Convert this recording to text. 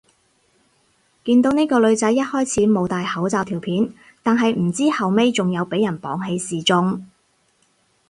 見到呢個女仔一開始冇戴口罩條片，但係唔知後尾仲有俾人綁起示眾